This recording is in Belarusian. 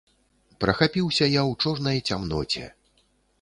Прахапіўся я ў чорнай цямноце.